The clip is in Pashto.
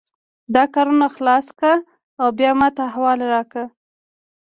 دا کارونه خلاص کړه او بیا ماته احوال راکړه